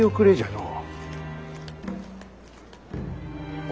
のう？